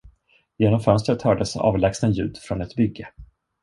Genom fönstret hördes avlägsna ljud från ett bygge.